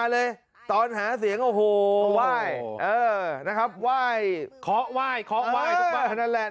มาเลยตอนหาเสียงโอ้โหว่ายเออนะครับว่ายขอว่ายขอว่ายนั่นแหละ